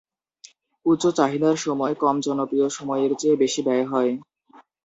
উচ্চ চাহিদার সময় কম জনপ্রিয় সময়ের চেয়ে বেশি ব্যয় হয়।